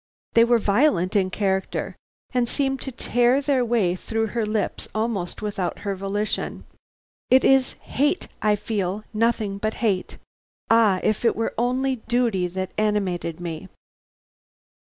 They were violent in character, and seemed to tear their way through her lips almost without her volition. 'It is hate I feel, nothing but hate. Ah, if it were only duty that animated me!'